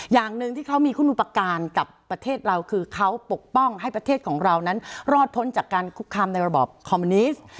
อย่างหนึ่งที่เขามีคุณอุปการณ์กับประเทศเราคือเขาปกป้องให้ประเทศของเรานั้นรอดพ้นจากการคุกคามในระบอบคอมมิวนิสต์